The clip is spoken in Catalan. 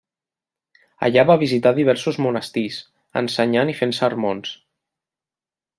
Allà va visitar diversos monestirs, ensenyant i fent sermons.